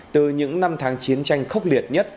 từ những năm tháng chiến tranh khốc liệt nhất